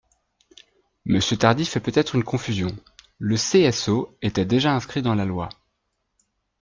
Monsieur Tardy fait peut-être une confusion : le CSO était déjà inscrit dans la loi.